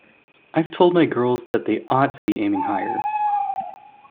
I've told my girls that they ought to be aiming higher.